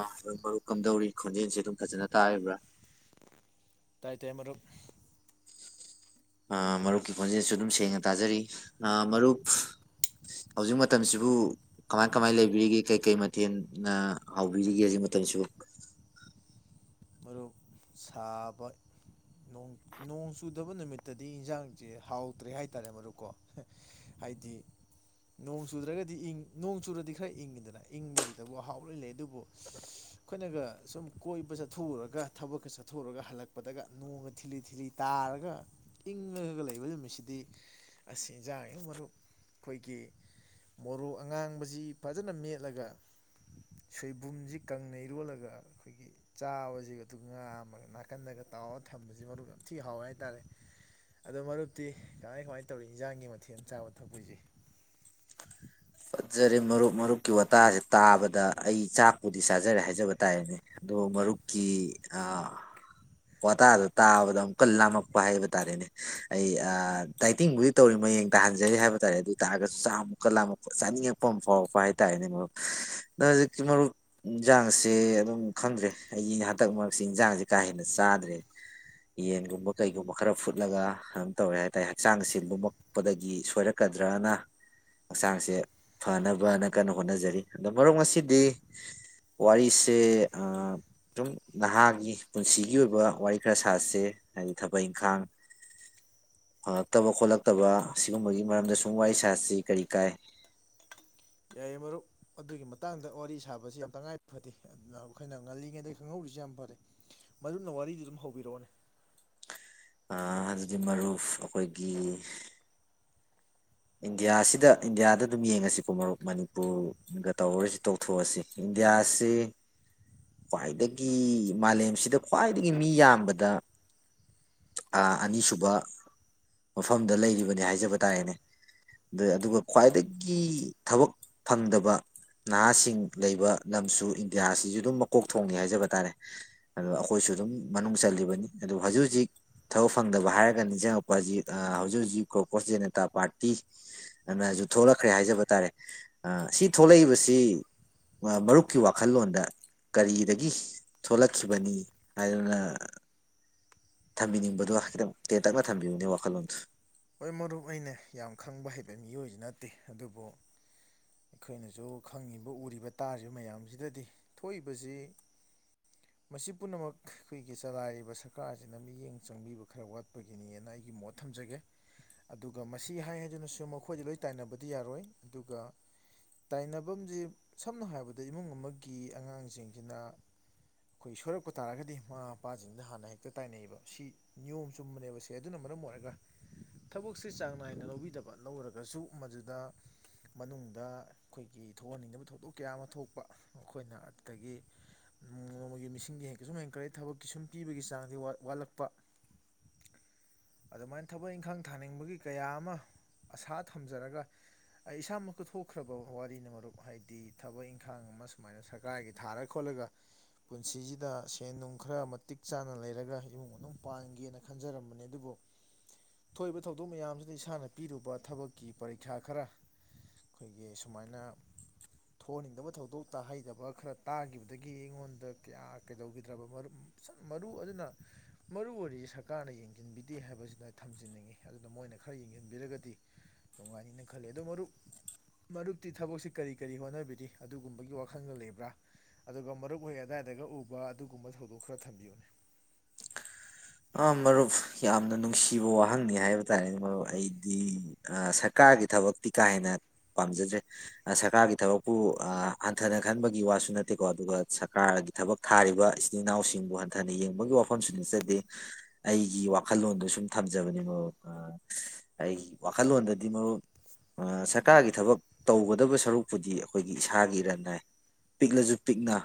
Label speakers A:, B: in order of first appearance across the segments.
A: ꯑ ꯍꯣꯏ ꯃꯔꯨꯞ ꯀꯝꯗꯧꯔꯤ ꯈꯣꯟꯖꯦꯜꯁꯦ ꯑꯗꯨꯝ ꯐꯖꯅ ꯇꯥꯔꯤꯕ꯭ꯔꯥ
B: ꯇꯥꯏꯇꯥꯏ ꯑꯗꯨꯣ
A: ꯃꯔꯨꯞꯀꯤ ꯈꯣꯟꯖꯦꯜꯁꯨ ꯑꯗꯨꯝ ꯁꯦꯡꯅ ꯇꯥꯖꯔꯤ ꯃꯔꯨꯞ ꯍꯧꯖꯤꯛ ꯃꯇꯝꯁꯤꯕꯨ ꯀꯃꯥꯏ ꯀꯃꯥꯏ ꯂꯩꯕꯤꯔꯤꯒꯦ ꯀꯩꯀꯩ ꯃꯊꯦꯜꯅ ꯍꯥꯎꯕꯤꯔꯤꯒꯦ ꯍꯧꯖꯤꯛ ꯃꯇꯝꯁꯤꯕꯨ
B: ꯃꯔꯨꯞ ꯁꯥꯕ ꯅꯣꯡ ꯆꯨꯗꯕ ꯅꯨꯃꯤꯠꯇꯗꯤ ꯏꯟꯖꯥꯡꯁꯦ ꯍꯥꯎꯇ꯭ꯔꯦ ꯍꯥꯏꯇꯥꯔꯦ ꯃꯔꯨꯀꯣ ꯍꯥꯏꯗꯤ ꯅꯣꯡ ꯆꯨꯗ꯭ꯔꯒꯗꯤ ꯅꯣꯡ ꯆꯨꯔꯗꯤ ꯈꯔ ꯏꯪꯉꯤꯗꯅ ꯏꯪꯕꯁꯤꯗꯕꯨ ꯍꯥꯎꯔ ꯂꯩ ꯑꯗꯨꯕꯨ ꯑꯩꯈꯣꯏꯅꯒ ꯁꯨꯝ ꯀꯣꯏꯕ ꯆꯠꯊꯣꯛꯎꯨꯔꯒ ꯊꯕꯛꯀ ꯆꯠ ꯆꯥꯊꯣꯛꯑꯒ ꯍꯜꯂꯛꯄꯗꯒ ꯅꯣꯡꯃ ꯊꯤꯂꯤ ꯊꯤꯂꯤ ꯇꯥꯔꯒ ꯏꯪꯉꯒ ꯂꯩꯕ ꯅꯨꯃꯤꯠꯁꯤꯗꯤ ꯑꯁꯤ ꯏꯟꯖꯥꯡꯅꯤ ꯃꯔꯨꯞ ꯑꯩꯈꯣꯏꯒꯤ ꯃꯣꯔꯣꯛ ꯑꯉꯥꯡꯕꯁꯤ ꯐꯖꯅ ꯃꯦꯠꯂꯒ ꯁꯣꯏꯕꯨꯝꯁꯤ ꯀꯪꯅ ꯏꯔꯣꯜꯂꯒ ꯑꯩꯈꯣꯏꯒꯤ ꯆꯥꯕꯁꯤ ꯑꯗꯨ ꯉꯥꯝ ꯅꯥꯀꯟꯗꯒ ꯇꯥꯎꯔꯒ ꯊꯝꯕꯁꯤ ꯃꯔꯨꯞ ꯌꯥꯝ ꯊꯤ ꯍꯥꯎꯋꯦ ꯍꯥꯏꯇꯥꯔꯦ ꯑꯗꯣ ꯃꯔꯨꯞꯇꯤ ꯀꯃꯥꯏ ꯀꯃꯥꯏꯅ ꯇꯧꯔꯤ ꯏꯟꯖꯥꯡꯒꯤ ꯃꯊꯦꯜ ꯆꯥꯕ ꯊꯛꯄꯁꯦ
A: ꯐꯠꯖꯔꯦ ꯃꯔꯨꯞ ꯃꯔꯨꯞꯀꯤ ꯋꯥꯇꯥꯁꯦ ꯇꯥꯕꯗ ꯑꯩ ꯆꯥꯛꯄꯨꯗꯤ ꯆꯥꯖꯔꯦ ꯍꯥꯏꯖꯕ ꯇꯥꯔꯦꯅꯦ ꯑꯗꯨꯗꯣ ꯃꯔꯨꯞꯀꯤ ꯋꯥꯇꯥꯗ ꯇꯥꯕꯗ ꯑꯃꯨꯛꯀ ꯂꯥꯝꯃꯛꯄ ꯍꯥꯏꯕ ꯇꯥꯔꯦꯅꯦ ꯑꯩ ꯗꯥꯏꯇꯤꯡꯕꯨꯗꯤ ꯇꯧꯔꯤ ꯃꯌꯦꯡ ꯇꯥꯍꯟꯖꯔꯤ ꯍꯥꯏꯕ ꯇꯥꯔꯦ ꯑꯗꯨ ꯑꯣꯏ ꯇꯥꯔꯒꯁꯨ ꯆꯥꯛ ꯑꯃꯨꯛꯀꯟ ꯂꯥꯝꯃꯛꯄ ꯆꯥꯅꯤꯡꯉꯛꯄ ꯑꯃ ꯐꯥꯎꯔꯛꯄ ꯍꯥꯏꯇꯥꯥꯔꯦꯅꯦ ꯃꯔꯨꯞ ꯑꯗꯣ ꯍꯧꯖꯤꯛꯇꯤ ꯃꯔꯨꯞ ꯌꯦꯟꯁꯥꯡꯁꯦ ꯑꯗꯨꯝ ꯈꯪꯗ꯭ꯔꯦ ꯑꯩꯒꯤ ꯍꯟꯇꯛ ꯃꯔꯛꯁꯤ ꯏꯟꯖꯥꯡꯁ ꯀꯥ ꯍꯦꯟꯅ ꯆꯥꯗ꯭ꯔꯦ ꯌꯦꯟꯒꯨꯝꯕ ꯀꯩꯒꯨꯝꯕ ꯈꯔ ꯐꯨꯠꯂꯒ ꯑꯗꯨꯝ ꯇꯧꯔꯦ ꯍꯥꯏꯇꯥꯔꯦ ꯍꯛꯆꯥꯡꯁꯦ ꯂꯨꯝꯃꯛꯄꯗꯒꯤ ꯁꯣꯏꯔꯛꯀꯗ꯭ꯔꯅ ꯍꯛꯆꯥꯡꯁꯦ ꯐꯅꯕꯅ ꯀꯟꯅ ꯍꯣꯠꯅꯖꯔꯤ ꯑꯗꯣ ꯃꯔꯨꯞ ꯉꯁꯤꯗꯤ ꯋꯥꯔꯤꯁꯦ ꯁꯨꯝ ꯅꯍꯥꯒꯤ ꯄꯨꯟꯁꯤꯒꯤ ꯑꯣꯏꯕ ꯋꯥꯔꯤ ꯈꯔ ꯁꯥꯁꯦ ꯍꯥꯏꯗꯤ ꯊꯕꯛ ꯏꯪꯈꯥꯡ ꯐꯉꯛꯇꯕ ꯈꯣꯠꯂꯛꯇꯕ ꯁꯤꯒꯨꯝꯕꯒꯤ ꯃꯔꯝꯗ ꯁꯨꯝ ꯋꯥꯔꯤ ꯁꯥꯁꯤ ꯀꯔꯤ ꯀꯥꯏ
B: ꯌꯥꯏꯌꯦ ꯃꯔꯨꯞ ꯑꯗꯨꯒꯤ ꯃꯇꯥꯡꯗ ꯋꯥꯔꯤ ꯁꯥꯕꯁꯤ ꯌꯥꯝ ꯇꯉꯥꯏ ꯐꯗꯦ ꯑꯗꯨꯅ ꯑꯩꯈꯣꯏꯅ ꯉꯜꯂꯤꯉꯩꯗꯒꯤꯩ ꯈꯪꯍꯧꯔꯤꯁꯤ ꯌꯥꯝ ꯐꯔꯦ ꯃꯔꯨꯞꯅ ꯋꯥꯔꯤꯗꯨ ꯑꯗꯨꯝ ꯍꯧꯕꯤꯔꯛꯑꯣꯅꯦ
A: ꯑꯗꯨꯗꯤ ꯃꯔꯨꯞ ꯑꯩꯈꯣꯏꯒꯤ ꯏꯟꯗꯤꯌꯥꯁꯤꯗ ꯏꯟꯗꯤꯌꯥꯗ ꯑꯗꯨꯝ ꯌꯦꯡꯉꯁꯤꯀꯣ ꯃꯔꯨꯞ ꯃꯅꯤꯄꯨꯔꯒ ꯇꯧꯔꯔꯁꯤ ꯇꯧꯊꯣꯛꯑꯁꯤ ꯏꯟꯗꯤꯌꯥꯁꯤ ꯈ꯭ꯋꯥꯏꯗꯒꯤ ꯃꯥꯂꯦꯝꯁꯤꯗ ꯈ꯭ꯋꯥꯏꯗꯒꯤ ꯃꯤ ꯌꯥꯝꯕꯗ ꯑꯅꯤꯁꯨꯕ ꯃꯐꯝꯗ ꯂꯩꯔꯤꯕꯅꯤ ꯍꯥꯏꯖꯕ ꯇꯥꯔꯦꯅꯦ ꯑ ꯑꯗꯨꯒ ꯈ꯭ꯋꯥꯏꯗꯒꯤ ꯊꯕꯛ ꯐꯪꯗꯕ ꯅꯍꯥꯁꯤꯡ ꯂꯩꯕ ꯂꯝꯁꯨ ꯏꯟꯗꯤꯌꯥꯁꯤꯁꯨ ꯑꯗꯨꯝ ꯃꯀꯣꯛ ꯊꯣꯡꯅꯤ ꯍꯥꯏꯖꯕ ꯇꯥꯔꯦ ꯑꯗꯣ ꯑꯩꯈꯣꯏꯁꯨ ꯑꯗꯨꯝ ꯃꯅꯨꯡ ꯆꯜꯂꯤꯕꯅꯤ ꯑꯗꯨ ꯍꯧꯖꯤꯛ ꯍꯧꯖꯤꯛ ꯊꯕꯛ ꯐꯪꯗꯕ ꯍꯥꯏꯔꯒ ꯅꯤꯡꯁꯤꯡꯉꯛꯄ ꯍꯧꯖꯤꯛ ꯍꯧꯖꯤꯛ ꯍꯧꯖꯤꯛ ꯒꯣꯀꯣꯁ ꯖꯅꯇꯥ ꯄꯥꯔꯇꯤ ꯄꯤ ꯑꯗꯨꯅꯁꯨ ꯊꯣꯛꯂꯛꯈ꯭ꯔꯦ ꯍꯥꯏꯖꯕ ꯇꯥꯔꯦ ꯁꯤ ꯊꯣꯛꯂꯛꯏꯕꯁꯤ ꯃꯔꯨꯞꯀꯤ ꯋꯥꯈꯜꯂꯣꯟꯗ ꯀꯔꯤꯗꯒꯤ ꯊꯣꯛꯂꯛꯈꯤꯕꯅꯤ ꯍꯥꯏꯗꯨꯅ ꯊꯝꯕꯤꯅꯤꯡꯕꯗꯣ ꯈꯤꯇꯪ ꯇꯦꯟꯇꯛꯅ ꯊꯝꯕꯤꯌꯨꯅꯦ ꯋꯥꯈꯜꯂꯣꯟꯗ
B: ꯍꯣꯏ ꯃꯔꯨꯞ ꯑꯩꯅ ꯌꯥꯝ ꯈꯪꯕ ꯍꯩꯕ ꯃꯤꯑꯣꯏꯁꯨ ꯅꯠꯇꯦ ꯑꯗꯨꯕꯨ ꯑꯩꯈꯣꯏꯅꯁꯨ ꯈꯪꯉꯤꯕ ꯎꯔꯤꯕ ꯇꯥꯔꯤꯕ ꯃꯌꯥꯝꯁꯤꯗꯗꯤ ꯊꯣꯛꯏꯕꯁꯤ ꯃꯁꯤ ꯄꯨꯝꯅꯃꯛ ꯑꯩꯈꯣꯏꯒꯤ ꯆꯂꯥꯏꯔꯤꯕ ꯁꯔꯀꯥꯔꯁꯤꯅ ꯃꯤꯠꯌꯦꯡ ꯆꯪꯕꯤꯕ ꯈꯔ ꯋꯥꯠꯄꯒꯤꯅꯦꯅ ꯑꯩꯒꯤ ꯃꯣꯠ ꯊꯝꯖꯒꯦ ꯑꯗꯨꯒ ꯃꯁꯤ ꯍꯥꯏ ꯍꯥꯏꯗꯨꯅꯁꯨ ꯃꯈꯣꯏꯗꯤ ꯂꯣꯏ ꯇꯥꯏꯅꯕꯗꯤ ꯌꯥꯔꯣꯏ ꯑꯗꯨꯒ ꯇꯥꯏꯅꯐꯝꯁꯦ ꯁꯝꯅ ꯍꯥꯏꯔꯕꯗ ꯏꯃꯨꯡ ꯑꯃꯒꯤ ꯑꯉꯥꯡꯁꯤꯡꯁꯤꯅ ꯑꯩꯈꯣꯏ ꯁꯣꯏꯔꯛꯄ ꯇꯥꯔꯒꯗꯤ ꯃꯃꯥ ꯃꯄꯥꯁꯤꯡꯗ ꯍꯥꯟꯅ ꯍꯦꯛꯇ ꯇꯥꯏꯅꯩꯌꯦꯕ ꯁꯤ ꯅꯤꯌꯣꯝ ꯆꯨꯝꯕꯅꯦꯕꯁꯦ ꯑꯗꯨꯅ ꯃꯔꯝ ꯑꯣꯏꯔꯒ ꯊꯕꯛꯁꯦ ꯆꯥꯡ ꯅꯥꯏꯅ ꯂꯧꯕꯤꯗꯕ ꯂꯧꯔꯒꯁꯨ ꯃꯗꯨꯗ ꯃꯅꯨꯡꯗ ꯑꯩꯈꯣꯏꯒꯤ ꯊꯣꯛꯍꯟꯅꯤꯡꯗꯕ ꯊꯧꯗꯣꯛ ꯀꯌꯥ ꯑꯃ ꯊꯣꯛꯄ ꯃꯈꯣꯏꯅ ꯑꯗꯨꯗꯒꯤꯃ ꯅꯣꯡꯃꯒꯤ ꯃꯤꯁꯤꯡꯗꯤ ꯍꯦꯟꯀꯩ ꯁꯨꯝ ꯍꯦꯟꯀꯠꯂꯛꯦ ꯊꯕꯛꯀꯤ ꯁꯨꯝ ꯄꯤꯕꯒꯤ ꯆꯥꯡꯗꯤ ꯋꯥꯠꯂꯛꯄ ꯑꯗꯨꯃꯥꯏꯅ ꯊꯕꯛ ꯏꯪꯈꯥꯡ ꯊꯥꯅꯤꯡꯕꯒꯤ ꯀꯌꯥ ꯑꯃ ꯑꯁꯥ ꯊꯝꯖꯔꯒ ꯑꯩ ꯏꯁꯥꯃꯛꯀ ꯊꯣꯛꯈ꯭ꯔꯕ ꯋꯥꯔꯤꯅ ꯃꯔꯨꯞ ꯍꯥꯏꯗꯤ ꯊꯕꯛ ꯏꯪꯈꯥꯡ ꯑꯃ ꯁꯨꯃꯥꯏꯅ ꯁꯔꯀꯥꯔꯒꯤ ꯊꯥꯔ ꯈꯣꯠꯂꯒ ꯄꯨꯟꯁꯤꯁꯤꯗ ꯁꯦꯟ ꯅꯨꯡ ꯈꯔ ꯃꯇꯤꯛ ꯆꯥꯅ ꯂꯩꯔꯒ ꯏꯃꯨꯡ ꯃꯅꯨꯡ ꯄꯥꯟꯒꯦꯅ ꯈꯟꯖꯔꯝꯕꯅꯤ ꯑꯗꯨꯕꯨ ꯊꯣꯛꯏꯕ ꯊꯧꯗꯣꯛ ꯃꯌꯥꯝꯁꯤꯗ ꯏꯁꯥꯅ ꯄꯤꯔꯨꯕ ꯊꯕꯛꯀꯤ ꯄꯔꯤꯈ꯭ꯌꯥ ꯈꯔ ꯑꯩꯈꯣꯏꯒꯤ ꯁꯨꯃꯥꯏꯅ ꯊꯣꯛꯍꯟꯅꯤꯡꯗꯕ ꯊꯧꯗꯣꯛ ꯇꯥꯍꯩꯗꯕ ꯈꯔ ꯇꯥꯈꯤꯕꯗꯒꯤ ꯑꯩꯉꯣꯟꯗ ꯀꯌꯥ ꯀꯩꯗꯧꯈꯤꯗ꯭ꯔꯕ ꯁ ꯃꯔꯨ ꯑꯗꯨꯅ ꯃꯔꯨ ꯑꯣꯏꯔꯤꯁꯤ ꯁꯔꯀꯥꯔꯅ ꯌꯦꯡꯁꯤꯟꯕꯤꯗꯦ ꯍꯥꯏꯕꯁꯤꯅ ꯊꯝꯖꯟꯅꯤꯡꯉꯤ ꯑꯗꯨꯅ ꯃꯣꯏꯅ ꯈꯔ ꯌꯦꯡꯁꯤꯟꯕꯤꯔꯒꯗꯤ ꯅꯨꯡꯉꯥꯏꯅꯤꯅ ꯈꯜꯂꯤ ꯑꯗꯣ ꯃꯔꯨꯞ ꯃꯔꯨꯞꯇꯤ ꯊꯕꯛꯁꯤ ꯀꯔꯤ ꯀꯔꯤ ꯍꯣꯠꯅꯕꯤꯔꯤ ꯑꯗꯨꯒꯨꯝꯕꯒꯤ ꯋꯥꯈꯜꯒ ꯂꯩꯕ꯭ꯔꯥ ꯑꯗꯨꯒ ꯃꯔꯨꯞꯍꯣꯏ ꯑꯗꯨꯗꯥꯏꯗꯒ ꯎꯕ ꯑꯗꯨꯒꯨꯝꯕ ꯊꯧꯗꯣꯛ ꯈꯔ ꯊꯝꯕꯤꯌꯨꯅꯦ
A: ꯑ ꯃꯔꯨꯞ ꯌꯥꯝꯅ ꯅꯨꯡꯁꯤꯕ ꯋꯥꯍꯪꯅꯤ ꯍꯥꯏꯕ ꯇꯥꯔꯦꯅꯦ ꯃꯔꯨꯞ ꯑꯩꯗꯤ ꯁꯔꯀꯥꯔꯒꯤ ꯊꯕꯛꯇꯤ ꯀꯥ ꯍꯦꯟꯅ ꯄꯥꯝꯖꯗ꯭ꯔꯦ ꯁꯔꯀꯥꯔꯒꯤ ꯊꯕꯛꯄꯨ ꯍꯟꯊꯅ ꯈꯟꯕꯒꯤ ꯋꯥꯁꯨ ꯅꯠꯇꯦꯀꯣ ꯑꯗꯨꯒ ꯁꯔꯀꯥꯔꯒꯤ ꯊꯕꯛ ꯊꯥꯔꯤꯕ ꯏꯆꯤꯟꯜ ꯏꯅꯥꯎꯁꯤꯡꯕꯨ ꯍꯟꯊꯅ ꯌꯦꯡꯕꯒꯤ ꯋꯥꯐꯝꯁꯨ ꯅꯆꯗꯦ ꯑꯩꯒꯤ ꯋꯥꯈꯜꯂꯣꯟꯗꯣ ꯁꯨꯝ ꯊꯝꯖꯕꯅꯦ ꯃꯔꯨꯞ ꯑꯩꯒꯤ ꯋꯥꯈꯜꯂꯣꯟꯗꯗꯤ ꯃꯔꯨꯞ ꯁꯔꯀꯥꯔꯒꯤ ꯊꯕꯛ ꯇꯧꯒꯗꯕ ꯁꯔꯨꯛꯄꯨꯗꯤ ꯑꯩꯈꯣꯏꯒꯤ ꯏꯁꯥꯒꯤ ꯔꯟꯅꯥꯏ ꯄꯤꯛꯂꯁꯨ ꯄꯤꯛꯅ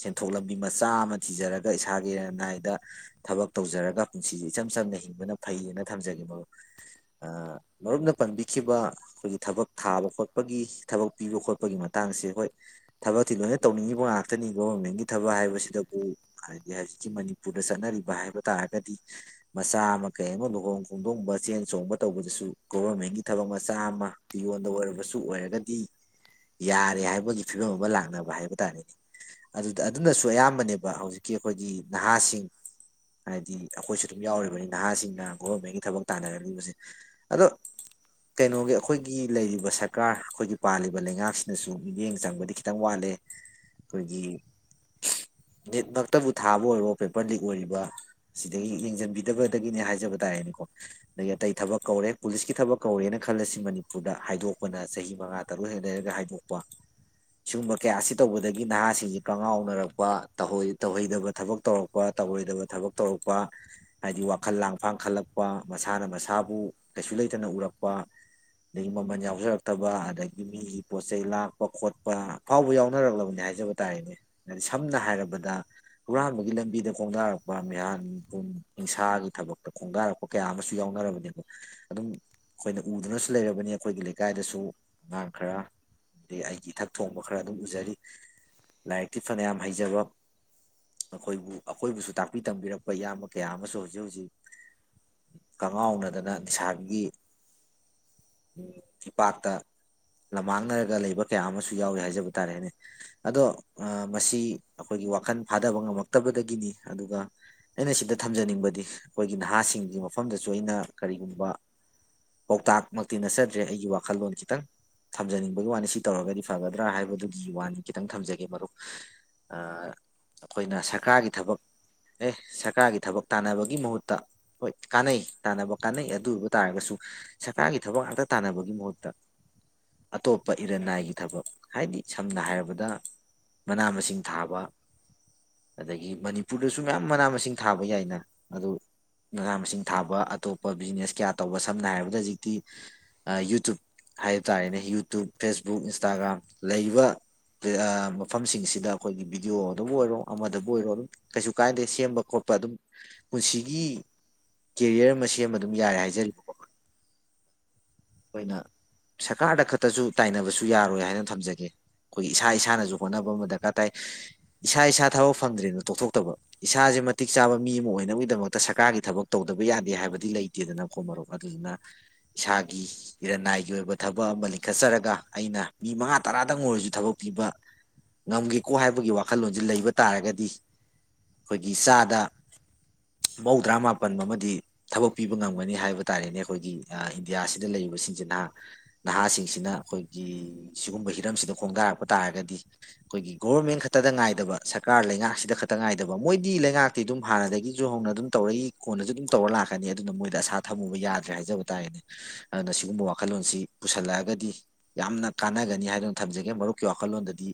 A: ꯁꯦꯟꯊꯣꯛ ꯂꯝꯕꯤ ꯃꯆꯥ ꯑꯃ ꯊꯤꯖꯔꯒ ꯏꯁꯥꯒꯤ ꯂꯟꯅꯥꯏꯗ ꯊꯕꯛ ꯇꯧꯖꯔꯒ ꯄꯨꯟꯁꯤꯁꯦ ꯏꯆꯝ ꯆꯝꯅ ꯍꯤꯡꯕꯅ ꯐꯩꯌꯦꯅ ꯊꯝꯖꯒꯦ ꯃꯔ ꯃꯔꯨꯞꯅ ꯄꯟꯕꯤꯈꯤꯕ ꯑꯩꯈꯣꯏꯒꯤ ꯊꯕꯛ ꯊꯥꯕ ꯈꯣꯠꯄꯒꯤ ꯊꯕꯛ ꯄꯤꯕ ꯈꯣꯠꯄꯒꯤ ꯃꯇꯥꯡꯁꯦ ꯍꯣꯏ ꯊꯕꯛꯇꯤ ꯂꯣꯏꯅ ꯇꯧꯅꯤꯡꯉꯤꯕ ꯉꯥꯛꯇꯅꯤ ꯒꯣꯕꯔꯃꯦꯟꯒꯤ ꯊꯕꯛ ꯍꯥꯏꯕꯁꯤꯗꯕꯨ ꯍꯥꯏꯗꯤ ꯍꯧꯖꯤꯛꯀꯤ ꯃꯅꯤꯄꯨꯔꯗ ꯆꯠꯅꯔꯤꯕ ꯍꯥꯏꯕ ꯇꯥꯔꯒꯗꯤ ꯃꯆꯥ ꯑꯃ ꯀꯩ ꯑꯃ ꯂꯨꯍꯣꯡ ꯈꯣꯡꯗꯣꯡꯕ ꯆꯦꯟ ꯆꯣꯡꯕ ꯇꯧꯕꯗꯁꯨ ꯒꯣꯚꯔꯃꯦꯟꯒꯤ ꯊꯕꯛ ꯃꯆꯥ ꯑꯃ ꯄꯤꯌꯣꯟꯗ ꯑꯣꯏꯔꯕꯁꯨ ꯑꯣꯏꯔꯒꯗꯤ ꯌꯥꯔꯦ ꯍꯥꯏꯕꯒꯤ ꯐꯤꯕꯝ ꯑꯃ ꯂꯥꯛꯅꯕ ꯍꯥꯏꯕ ꯇꯥꯔꯦꯅꯦ ꯑꯗꯨꯗ ꯑꯗꯨꯅꯁꯨ ꯑꯌꯥꯝꯕꯅꯦꯕ ꯍꯧꯖꯤꯛꯀꯤ ꯑꯩꯈꯣꯏꯒꯤ ꯅꯍꯥꯁꯤꯡ ꯍꯥꯏꯗꯤ ꯑꯩꯈꯣꯏꯁꯨ ꯑꯗꯨꯝ ꯌꯥꯎꯔꯤꯕꯅꯤ ꯅꯍꯥꯁꯤꯡꯅ ꯒꯣꯕꯔꯃꯦꯟꯒꯤ ꯊꯕꯛ ꯇꯥꯟꯅꯔꯛꯂꯤꯕꯁꯦ ꯑꯗꯣ ꯀꯩꯅꯣꯒꯤ ꯑꯩꯈꯣꯏꯒꯤ ꯂꯩꯔꯤꯕ ꯁꯔꯀꯥꯔ ꯑꯩꯈꯣꯏꯒꯤ ꯄꯥꯜꯂꯤꯕ ꯂꯩꯉꯥꯛꯁꯤꯅꯁꯨ ꯃꯤꯠꯌꯦꯡ ꯆꯪꯕꯗꯤ ꯈꯤꯇꯪ ꯋꯥꯠꯂꯦ ꯑꯩꯈꯣꯏꯒꯤ ꯅꯤꯠꯃꯛꯇꯕꯨ ꯊꯥꯕ ꯑꯣꯏꯔꯣ ꯄꯦꯄꯔ ꯂꯤꯛ ꯑꯣꯏꯔꯤꯕ ꯁꯤꯗꯒꯤ ꯌꯦꯡꯁꯤꯟꯕꯤꯗꯕꯗꯒꯤꯅꯦ ꯍꯥꯏꯖꯕ ꯇꯥꯔꯦꯅꯦꯀꯣ ꯑꯗꯒꯤ ꯑꯇꯩ ꯊꯕꯛ ꯀꯧꯔꯦ ꯄꯨꯂꯤꯁꯀꯤ ꯊꯕꯛ ꯀꯧꯔꯦꯅ ꯈꯜꯂꯁꯤ ꯃꯅꯤꯄꯨꯔꯗ ꯍꯥꯏꯗꯣꯛꯄꯅ ꯆꯍꯤ ꯃꯉꯥ ꯇꯔꯨꯛ ꯍꯦ ꯂꯩꯔꯒ ꯍꯥꯏꯗꯣꯛꯄ ꯁꯤꯒꯨꯝꯕ ꯀꯌꯥ ꯑꯁꯤ ꯇꯧꯕꯗꯒꯤ ꯅꯍꯥꯁꯤꯡꯁꯤ ꯀꯪꯉꯥꯎꯅꯔꯛꯄ ꯇꯧꯍꯩꯗꯕ ꯊꯕꯛ ꯇꯧꯔꯛꯄ ꯇꯧꯔꯣꯏꯗꯕ ꯊꯕꯛ ꯇꯧꯔꯛꯄ ꯍꯥꯏꯗꯤ ꯋꯥꯈꯜ ꯂꯥꯡ ꯐꯥꯡꯈꯠꯂꯛꯄ ꯃꯁꯥꯅ ꯃꯁꯥꯕꯨ ꯀꯩꯁꯨ ꯂꯩꯇꯅ ꯎꯔꯛꯄ ꯑꯗꯒꯤ ꯃꯃꯜ ꯌꯥꯎꯖꯔꯛꯇꯕ ꯑꯗꯒꯤ ꯃꯤꯒꯤ ꯄꯣꯠ ꯆꯩꯩ ꯂꯥꯛꯄ ꯈꯣꯠꯄ ꯑꯐꯥꯎꯕ ꯌꯥꯎꯅꯔꯛꯂꯕꯅꯤ ꯍꯥꯏꯖꯕ ꯇꯥꯔꯦꯅꯦ ꯍꯥꯏꯗꯤ ꯁꯝꯅ ꯍꯥꯏꯔꯕꯗ ꯍꯨꯔꯥꯟꯕꯒꯤ ꯂꯝꯕꯤꯗ ꯈꯣꯡꯅꯔꯛꯄ ꯃꯤꯍꯥꯟꯄꯨꯡ ꯏꯤꯡꯁꯥꯒꯤ ꯊꯕꯛꯇ ꯈꯣꯡꯗꯥꯔꯛꯄ ꯀꯌꯥ ꯑꯃꯁꯨ ꯌꯥꯎꯅꯔꯕꯅꯦꯕ ꯑꯗꯨꯝ ꯑꯩꯈꯣꯏꯅ ꯎꯗꯨꯅꯁꯨ ꯂꯩꯔꯕꯅꯤ ꯑꯩꯈꯣꯏꯒꯤ ꯂꯩꯀꯥꯏꯗꯁꯨ ꯑꯉꯥꯡ ꯈꯔ ꯑꯗꯒꯤ ꯑꯩꯒꯤ ꯏꯊꯛ ꯊꯣꯡꯕ ꯈꯔ ꯑꯗꯨꯝ ꯎꯖꯔꯤ ꯂꯥꯏꯔꯤꯛꯇꯤ ꯐꯅꯌꯥꯝ ꯍꯩꯖꯕ ꯑꯩꯈꯣꯏꯕꯨ ꯑꯩꯈꯣꯏꯕꯨꯁꯨ ꯇꯥꯛꯄꯤ ꯇꯥꯛꯄꯤ ꯇꯝꯕꯤꯔꯛꯄ ꯏꯌꯥꯝꯕ ꯀꯌꯥ ꯑꯃꯁꯨ ꯍꯧꯖꯤꯛ ꯍꯧꯖꯤꯛ ꯀꯉꯥꯎꯅꯗꯅ ꯅꯤꯁꯥꯕꯤꯒꯤ ꯏꯄꯥꯛꯇ ꯂꯝꯃꯥꯡꯅꯔꯒ ꯂꯩꯕ ꯀꯌꯥ ꯑꯃꯁꯨ ꯌꯥꯎꯋ ꯍꯥꯏꯖꯕ ꯇꯥꯔꯦꯅꯦ ꯑꯗꯣ ꯃꯁꯤ ꯑꯩꯈꯣꯏꯒꯤ ꯋꯥꯈꯜ ꯐꯥꯗꯕ ꯉꯝꯃꯛꯇꯕꯗꯒꯤꯅꯤ ꯑꯗꯨꯒ ꯑꯩꯅ ꯁꯤꯗ ꯊꯝꯖꯅꯤꯡꯕꯗꯤ ꯑꯩꯈꯣꯏꯒꯤ ꯅꯍꯥꯁꯤꯡꯒꯤ ꯃꯐꯝꯗꯁꯨ ꯑꯩꯅ ꯀꯔꯤꯒꯨꯝꯕ ꯄꯥꯎꯇꯥꯛꯃꯛꯇꯤ ꯅꯠꯆꯗ꯭ꯔꯦ ꯑꯩꯒꯤ ꯋꯥꯈꯜꯂꯣꯟ ꯈꯤꯇꯪ ꯊꯝꯖꯅꯤꯡꯕꯒꯤ ꯋꯥꯅꯤ ꯁꯤ ꯇꯧꯔꯒꯗꯤ ꯐꯒꯗ꯭ꯔꯥ ꯍꯥꯏꯕꯗꯨꯒꯤ ꯋꯥꯅꯤ ꯈꯤꯇꯪ ꯊꯝꯖꯒꯦ ꯃꯔꯨꯞ ꯑꯩꯈꯣꯏꯅ ꯁꯔꯀꯥꯔꯒꯤ ꯊꯕꯛ ꯑꯦ ꯁꯔꯀꯥꯔꯒꯤ ꯊꯕꯛ ꯇꯥꯟꯅꯕꯒꯤ ꯃꯍꯨꯠꯇ ꯍꯣꯏ ꯀꯥꯟꯅꯩ ꯇꯥꯟꯅꯕ ꯀꯥꯟꯅꯩ ꯑꯗꯨ ꯑꯣꯏꯕ ꯇꯥꯔꯒꯁꯨ ꯁꯔꯀꯥꯔꯒꯤ ꯊꯕꯛ ꯉꯥꯛꯇ ꯇꯥꯟꯅꯕꯒꯤ ꯃꯍꯨꯠꯇ ꯑꯇꯣꯞꯄ ꯏꯔꯟꯅꯥꯏꯒꯤ ꯊꯕꯛ ꯍꯥꯏꯗꯤ ꯁꯝꯅ ꯍꯥꯏꯔꯕꯗ ꯃꯅꯥ ꯃꯁꯤꯡ ꯊꯥꯕ ꯑꯗꯒꯤ ꯃꯅꯤꯄꯨꯔ ꯃꯄꯨꯔꯗꯁꯨ ꯃꯌꯥꯝ ꯃꯅꯥ ꯃꯁꯤꯡ ꯊꯥꯕ ꯌꯥꯏꯅ ꯑꯗꯨ ꯃꯅꯥ ꯃꯁꯤꯡ ꯊꯥꯕ ꯑꯇꯣꯞꯄ ꯕꯤꯖꯤꯅꯦꯁ ꯀꯌꯥ ꯇꯧꯕ ꯁꯝꯅ ꯍꯥꯏꯔꯕꯗ ꯍꯧꯖꯤꯛꯇꯤ ꯌꯨꯇꯨꯞ ꯍꯥꯏꯕ ꯇꯥꯔꯦꯅꯦ ꯌꯨꯇꯨꯞ ꯐꯦꯁꯕꯨꯛ ꯏꯟꯁꯇꯥꯒ꯭ꯔꯥꯝ ꯂꯩꯔꯤꯕ ꯃꯐꯝꯁꯤꯡꯁꯤꯗ ꯑꯩꯈꯣꯏꯒꯤ ꯕꯤꯗꯤꯑꯣꯗꯕꯨ ꯑꯣꯏꯔꯣ ꯑꯃꯗꯕꯨ ꯑꯣꯏꯔꯣ ꯑꯗꯨꯝ ꯀꯩꯁꯨ ꯀꯥꯏꯅꯗꯦ ꯁꯦꯝꯕ ꯈꯣꯠꯄ ꯑꯗꯨꯝ ꯄꯨꯟꯁꯤꯒꯤ ꯀꯦꯔꯤꯌꯔ ꯑꯃ ꯁꯦꯝꯕ ꯑꯗꯨꯝ ꯌꯥꯔꯦ ꯍꯥꯏꯖꯔꯤꯕꯀꯣ ꯑꯩꯈꯣꯏꯅ ꯁꯔꯀꯥꯔꯗ ꯈꯛꯇꯁꯨ ꯇꯥꯏꯅꯕꯁꯨ ꯌꯥꯔꯣꯏ ꯍꯥꯏꯅ ꯊꯝꯖꯒꯦ ꯑꯩꯈꯣꯏ ꯏꯁꯥ ꯏꯁꯥꯅꯁꯨ ꯍꯣꯠꯅꯕ ꯑꯃ ꯗꯔꯀꯥꯔ ꯇꯥꯏ ꯏꯁꯥ ꯏꯁꯥ ꯊꯕꯛ ꯐꯪꯗ꯭ꯔꯦꯅ ꯇꯣꯛꯊꯣꯛꯇꯕ ꯏꯁꯥꯁꯦ ꯃꯇꯤꯛ ꯆꯥꯕ ꯃꯤ ꯑꯃ ꯑꯣꯏꯅꯕꯒꯤꯗꯃꯛꯇ ꯁꯔꯀꯥꯔꯒꯤ ꯊꯕꯛ ꯇꯧꯗꯕ ꯌꯥꯗꯦ ꯍꯥꯏꯕꯗꯤ ꯂꯩꯇꯦꯗꯅꯀꯣ ꯃꯔꯣꯛ ꯑꯗꯨꯗꯨꯅ ꯏꯁꯥꯒꯤ ꯏꯔꯟꯅꯥꯏꯒꯤ ꯑꯣꯏꯕ ꯊꯕꯛ ꯑꯃ ꯂꯤꯡꯈꯠꯆꯔꯒ ꯑꯩꯅ ꯃꯤ ꯃꯉꯥ ꯇꯔꯥꯗꯪ ꯑꯣꯏꯔꯁꯨ ꯊꯕꯛ ꯄꯤꯕ ꯉꯝꯒꯦꯀꯣ ꯍꯥꯏꯕꯒꯤ ꯋꯥꯈꯜꯂꯣꯟꯁꯦ ꯂꯩꯕ ꯇꯥꯔꯒꯗꯤ ꯑꯩꯈꯣꯏꯒꯤ ꯆꯥꯗ ꯃꯧꯗ꯭ꯔꯥ ꯃꯥꯄꯟ ꯑꯃꯗꯤ ꯊꯕꯛ ꯄꯤꯕ ꯉꯝꯒꯅꯤ ꯍꯥꯏꯕ ꯇꯥꯔꯦꯅꯦ ꯑꯩꯈꯣꯏꯒꯤ ꯏꯟꯗꯤꯌꯥꯁꯤꯗ ꯂꯩꯔꯤꯕꯁꯤꯡꯁꯤ ꯅꯍꯥ ꯅꯍꯥꯁꯤꯡꯁꯤꯅ ꯑꯩꯈꯣꯏꯒꯤ ꯁꯤꯒꯨꯝꯕ ꯍꯤꯔꯝꯁꯤꯗ ꯈꯣꯡꯗꯥꯔꯛꯄ ꯇꯥꯔꯒꯗꯤ ꯑꯩꯈꯣꯏꯒꯤ ꯒꯣꯕꯔꯃꯦꯟ ꯈꯛꯇꯗ ꯉꯥꯏꯗꯕ ꯁꯔꯀꯥꯔ ꯂꯩꯉꯥꯛꯁꯤꯗ ꯈꯛꯇ ꯉꯥꯏꯗꯕ ꯃꯣꯏꯗꯤ ꯂꯩꯉꯥꯛꯇꯤ ꯑꯗꯨꯝ ꯍꯥꯟꯅꯗꯒꯤꯁꯨ ꯍꯧꯅ ꯑꯗꯨꯝ ꯇꯧꯔꯏ ꯀꯣꯟꯅꯁꯨ ꯑꯗꯨꯝ ꯇꯧꯔ ꯂꯥꯛꯀꯅꯤ ꯑꯗꯨꯅ ꯃꯣꯏꯗ ꯑꯁꯥ ꯊꯝꯃꯨꯕ ꯌꯥꯗ꯭ꯔꯦ ꯍꯥꯏꯖꯕ ꯇꯥꯔꯦꯅꯦ ꯑꯗꯨꯅ ꯁꯤꯒꯨꯝꯕ ꯋꯥꯈꯜꯂꯣꯟꯁꯤ ꯄꯨꯁꯜꯂꯛꯑꯒꯗꯤ ꯌꯥꯝꯅ ꯀꯥꯟꯅꯒꯅꯤ ꯍꯥꯏꯗꯨꯅ ꯊꯝꯖꯒꯦ ꯃꯔꯨꯞꯀꯤ ꯋꯥꯈꯜꯂꯣꯟꯗꯗꯤ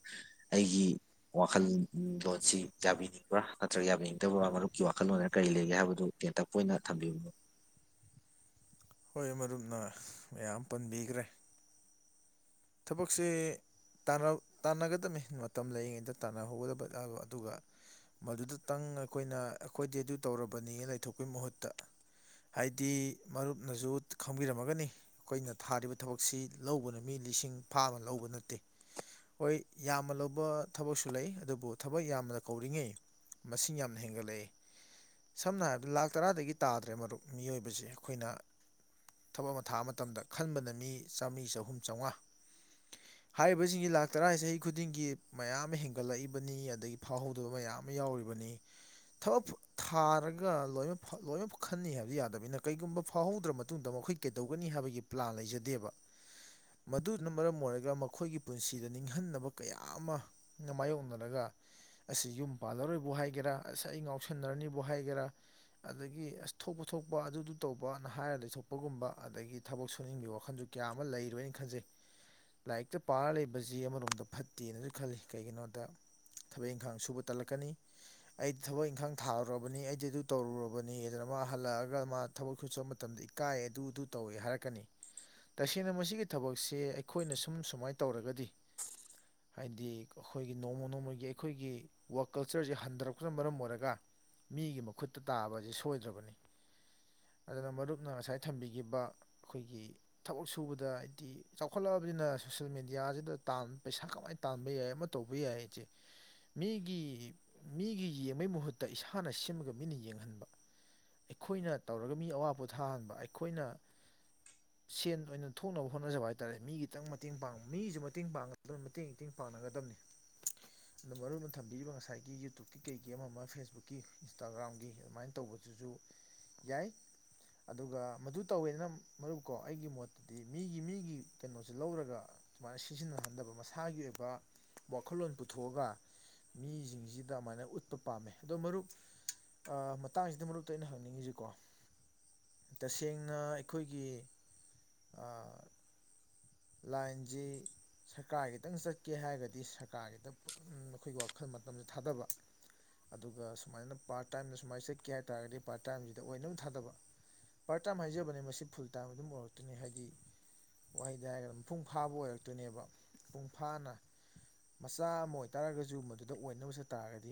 A: ꯑꯩꯒꯤ ꯋꯥꯈꯜꯂꯣꯟꯁꯤ ꯌꯥꯕꯤꯅꯤꯡꯕ꯭ꯔꯥ ꯅꯠꯇ꯭ꯔꯒ ꯌꯥꯕꯤꯅꯤꯡꯗꯕ꯭ꯔꯥ ꯃꯔꯨꯞꯀꯤ ꯋꯥꯈꯜꯂꯣꯟ ꯀꯔꯤ ꯂꯩꯒꯦ ꯍꯥꯏꯕꯗꯨ ꯇꯦꯟꯇꯛꯄ ꯑꯣꯏꯅ ꯊꯝꯕꯤꯕꯅꯣ
B: ꯍꯣꯏ ꯃꯔꯨꯞꯅ ꯃꯌꯥꯝ ꯄꯟꯕꯤꯈ꯭ꯔꯦ ꯊꯕꯛꯁꯦ ꯇꯥꯟꯅꯒꯗꯝꯕꯅꯤ ꯃꯇꯝ ꯂꯩꯔꯤꯉꯩꯗ ꯇꯥꯟꯅꯍꯧꯒꯗꯕ ꯑꯗꯨꯒ ꯃꯗꯨꯗꯇꯪ ꯑꯩꯈꯣꯏꯅ ꯑꯩꯈꯣꯏꯗꯤ ꯑꯗꯨ ꯇꯧꯔꯕꯅꯤ ꯂꯩꯊꯣꯛꯄꯩ ꯃꯍꯨꯠꯇ ꯍꯥꯏꯗꯤ ꯃꯔꯨꯞꯅꯁꯨ ꯈꯪꯕꯤꯔꯝꯃꯒꯅꯤ ꯑꯩꯈꯣꯏꯅ ꯊꯥꯔꯤꯕ ꯊꯕꯛꯁꯤ ꯂꯧꯕꯅ ꯃꯤ ꯂꯤꯁꯤꯡ ꯐꯥ ꯑꯃ ꯂꯧꯕ ꯅꯠꯇꯦ ꯍꯣꯏ ꯌꯥꯝꯅ ꯂꯧꯕ ꯊꯕꯛꯁꯨ ꯂꯩ ꯑꯗꯨꯕꯨ ꯊꯕꯛ ꯌꯥꯝꯅ ꯀꯧꯔꯤꯉꯩ ꯃꯁꯤꯡ ꯌꯥꯝꯅ ꯍꯦꯟꯒꯠꯂꯛꯏꯦ ꯁꯝꯅ ꯍꯥꯏꯔꯕꯗ ꯂꯥꯛ ꯇꯔꯥꯗꯒꯤ ꯇꯥꯗ꯭ꯔꯦ ꯃꯔꯨꯞ ꯃꯤꯑꯣꯏꯕꯁꯦ ꯑꯩꯈꯣꯏꯅ ꯊꯕꯛ ꯑꯃ ꯊꯥ ꯃꯇꯝꯗ ꯈꯟꯕꯅ ꯃꯤ ꯆꯥꯝꯃꯔꯤ ꯆꯍꯨꯝ ꯆꯥꯝꯃꯉꯥ ꯍꯥꯏꯔꯤꯕꯁꯤꯡꯁꯤ ꯂꯥꯛ ꯇꯔꯥ ꯆꯍꯤ ꯈꯨꯗꯤꯡꯒꯤ ꯃꯌꯥꯝ ꯑꯃ ꯍꯦꯟꯒꯠꯂꯛꯏꯕꯅꯤ ꯑꯗꯒꯤ ꯐꯥꯎꯍꯧꯗꯕ ꯃꯌꯥꯝ ꯑꯃ ꯌꯥꯎꯔꯤꯕꯅꯤ ꯊꯕꯛ ꯊꯥꯔꯒ ꯂꯣꯏꯅ ꯂꯣꯏꯅꯃꯛ ꯈꯅꯤ ꯍꯥꯏꯕꯗꯤ ꯌꯥꯗꯕꯅꯤꯅ ꯀꯔꯤꯒꯨꯝꯕ ꯐꯥꯎꯍꯧꯗ꯭ꯔ ꯃꯇꯨꯡꯗ ꯃꯈꯣꯏ ꯀꯩꯗꯧꯒꯅꯤ ꯍꯥꯏꯕꯒꯤ ꯄ꯭ꯂꯥꯟ ꯂꯩꯖꯗꯦꯕ ꯃꯗꯨꯅ ꯃꯔꯝ ꯑꯣꯏꯔꯒ ꯃꯈꯣꯏꯒꯤ ꯄꯨꯟꯁꯤꯗ ꯅꯤꯡꯍꯟꯅꯕ ꯀꯌꯥ ꯑꯃꯅ ꯃꯥꯌꯣꯛꯅꯔꯒ ꯑꯁꯤꯁ ꯌꯨꯝ ꯄꯥꯜꯂꯔꯣꯏꯕꯨ ꯍꯥꯏꯒꯦꯔꯥ ꯑꯁ ꯑꯩ ꯉꯥꯎꯁꯟꯅꯔꯅꯤꯕꯨ ꯍꯥꯏꯒꯦꯔꯥ ꯑꯗꯒꯤ ꯑꯁ ꯊꯣꯛꯄ ꯊꯣꯛꯄ ꯑꯗꯨꯗꯨ ꯇꯧꯕꯅ ꯍꯥꯏꯔ ꯂꯩꯊꯣꯛꯄꯒꯨꯝꯕ ꯑꯗꯒꯤ ꯊꯕꯛ ꯁꯨꯅꯤꯡꯕꯒꯤ ꯋꯥꯈꯟꯗꯨ ꯀꯌꯥ ꯑꯃ ꯂꯩꯔꯣꯏꯅ ꯈꯟꯖꯩ ꯂꯥꯏꯔꯤꯛꯇ ꯄꯥꯔ ꯂꯩꯕꯁꯤ ꯑꯃꯔꯣꯝꯗ ꯐꯠꯇꯦꯅꯁꯨ ꯈꯜꯂꯤ ꯀꯩꯒꯤꯅꯣꯗ ꯊꯕꯛ ꯏꯪꯈꯥꯡ ꯁꯨꯕ ꯇꯜꯂꯛꯀꯅꯤ ꯑꯩ ꯊꯕꯛ ꯏꯪꯈꯥꯡ ꯊꯥꯔꯨꯔꯕꯅꯤ ꯑꯩꯗꯤ ꯑꯗꯨ ꯇꯧꯔꯨꯔꯕꯅꯤꯗꯅ ꯃꯥ ꯍꯜꯂꯛꯑꯒ ꯃꯥ ꯊꯕꯛ ꯁꯨꯠꯆꯕ ꯃꯇꯝꯗ ꯏꯀꯥꯏ ꯑꯗꯨ ꯑꯗꯨ ꯇꯧꯏꯦ ꯍꯥꯏꯔꯛꯀꯅꯤ ꯇꯁꯦꯡꯅ ꯃꯁꯤꯒꯤ ꯊꯕꯛꯁꯦ ꯑꯩꯈꯣꯏꯅ ꯁꯨꯝ ꯁꯨꯃꯥꯏꯅ ꯇꯧꯔꯒꯗꯤ ꯍꯥꯏꯗꯤ ꯑꯩꯈꯣꯏꯒꯤ ꯅꯣꯡꯃ ꯅꯣꯡꯃꯒꯤ ꯑꯩꯈꯣꯏꯒꯤ ꯋꯛ ꯀꯜꯆꯔꯁꯦ ꯍꯟꯊꯔꯛꯄꯅ ꯃꯔꯝ ꯑꯣꯏꯔꯒ ꯃꯤꯒꯤ ꯃꯈꯨꯠꯇ ꯇꯥꯕꯁꯦ ꯁꯣꯏꯗ꯭ꯔꯕꯅꯤ ꯑꯗꯨꯅ ꯃꯔꯨꯞꯅ ꯉꯁꯥꯏ ꯊꯝꯕꯤꯈꯤꯕ ꯑꯩꯈꯣꯏꯒꯤ ꯊꯕꯛ ꯁꯨꯕꯗ ꯇꯤ ꯆꯥꯎꯈꯠꯂꯛꯑꯕꯅꯤꯅ ꯁꯣꯁꯤꯦꯜ ꯃꯦꯗꯤꯌꯥꯁꯤꯗ ꯄꯩꯁꯥ ꯀꯃꯥꯏꯅ ꯇꯥꯟꯕ ꯌꯥꯏ ꯑꯃ ꯇꯧꯕ ꯌꯥꯏ ꯑꯩꯁꯦ ꯃꯤꯒꯤ ꯃꯤꯒꯤ ꯌꯦꯡꯕꯩ ꯃꯍꯨꯠꯇ ꯏꯁꯥꯅ ꯁꯦꯝꯃꯒ ꯃꯤꯅ ꯌꯦꯡꯍꯟꯕ ꯑꯩꯈꯣꯏꯅ ꯇꯧꯔꯒ ꯃꯤ ꯑꯋꯥ ꯄꯣꯊꯥꯍꯟꯕ ꯑꯩꯈꯣꯏꯅ ꯁꯦꯟ ꯑꯣꯏꯅ ꯊꯣꯛꯅꯕ ꯍꯣꯠꯅꯖꯕ ꯍꯥꯏꯇꯥꯥꯔꯦ ꯃꯤ ꯈꯤꯇꯪ ꯃꯇꯦꯡ ꯄꯥꯡ ꯃꯤꯁꯨ ꯃꯇꯦꯡ ꯄꯥꯡꯒꯗꯕꯅꯤ ꯃꯇꯦꯡ ꯏꯦꯡ ꯄꯥꯡꯅꯒꯗꯕꯅꯤ ꯑꯗꯨ ꯃꯔꯨ ꯑꯣꯏꯅ ꯊꯝꯕꯤꯔꯤꯕ ꯉꯁꯥꯏꯒꯤ ꯌꯨꯇꯌꯨꯨꯞꯀꯤ ꯀꯩꯒꯤ ꯑꯃ ꯑꯃ ꯐꯦꯁꯕꯨꯛꯀꯤ ꯏꯟꯁꯇꯥꯒ꯭ꯔꯥꯝꯒꯤ ꯑꯗꯨꯃꯥꯏꯅ ꯇꯧꯕꯗꯨꯁꯨ ꯌꯥꯏ ꯑꯗꯨꯒ ꯃꯗꯨ ꯇꯧꯋꯦꯗꯅ ꯃꯔꯨꯞꯀꯣ ꯑꯩꯒꯤ ꯃꯣꯠꯇꯗꯤ ꯃꯤꯒꯤ ꯃꯤꯒꯤ ꯀꯩꯅꯣꯁꯦ ꯂꯧꯔꯒ ꯁꯨꯃꯥꯏꯅ ꯁꯤꯖꯤꯟꯅꯍꯟꯗꯕ ꯃꯁꯥꯒꯤ ꯑꯣꯏꯕ ꯋꯥꯈꯜꯂꯣꯟ ꯄꯨꯊꯣꯛꯑꯒ ꯃꯤꯁꯤꯡꯁꯤꯗ ꯑꯗꯨꯃꯥꯏꯅ ꯎꯠꯄ ꯄꯥꯝꯃꯦ ꯑꯗꯣ ꯃꯔꯨꯞ ꯃꯇꯥꯡꯁꯤꯗ ꯃꯔꯨꯞꯇ ꯑꯩꯅ ꯍꯪꯅꯤꯡꯉꯤꯁꯤꯀꯣ ꯇꯁꯦꯡꯅ ꯑꯩꯈꯣꯏꯒꯤ ꯂꯥꯏꯟ ꯁꯀꯥꯗ ꯈꯤꯇꯪ ꯆꯠꯀꯦ ꯍꯥꯏꯔꯒꯗꯤ ꯁꯔꯀꯥꯔꯒꯤꯗ ꯑꯩꯈꯣꯏꯒꯤ ꯋꯥꯈꯜ ꯃꯇꯝꯁꯦ ꯊꯥꯗꯕ ꯑꯗꯨꯒ ꯁꯨꯃꯥꯏꯅ ꯄꯥꯔꯠ ꯇꯥꯏꯝꯅ ꯁꯨꯃꯥꯏꯅ ꯆꯠꯀꯦ ꯍꯥꯏ ꯇꯥꯔꯒꯗꯤ ꯄꯥꯔꯠ ꯇꯥꯏꯝꯁꯤꯗ ꯑꯣꯏꯅꯝ ꯊꯥꯗꯕ ꯄꯥꯔꯠ ꯇꯥꯏꯝ ꯍꯥꯏꯖꯕꯅꯤ ꯃꯁꯤ ꯐꯨꯜ ꯇꯥꯏꯝ ꯑꯗꯨꯝ ꯑꯣꯏꯔꯛꯇꯣꯏꯅꯤ ꯍꯥꯏꯗꯤ ꯋꯥꯍ ꯍꯥꯏꯔꯒꯗ ꯃꯄꯨꯡ ꯐꯥꯕ ꯑꯣꯏꯔꯛꯇꯣꯏꯅꯦꯕ ꯃꯄꯨꯡ ꯐꯥꯅ ꯃꯆꯥ ꯑꯃ ꯑꯣꯏꯇꯥꯔꯒꯁꯨ ꯃꯗꯨꯗ ꯑꯣꯏꯅꯕ ꯆꯠ ꯇꯥꯔꯒꯗꯤ